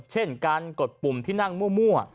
เช่นการกดปุ่มที่นั่งมั่ว